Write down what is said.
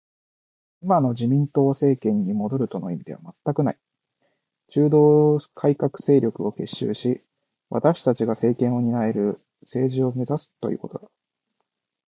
今の自民党政権に戻るとの意味では全くない。中道改革勢力を結集し、私たちが政権を担える政治を目指すということだ